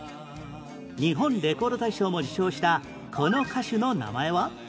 日本レコード大賞も受賞したこの歌手の名前は？